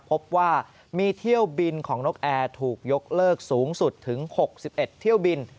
พบว่ามีเที่ยวบินของนกแอร์ถูกยกเลิกสูงสุดถึง๖๑เที่ยวบิน